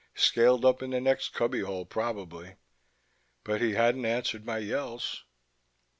Sealed up in the next cubby hole probably. But he hadn't answered my yells.